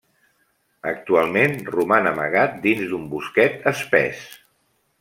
Actualment roman amagat dins d'un bosquet espès.